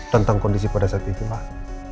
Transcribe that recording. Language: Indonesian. tentang kondisi pada saat itu pak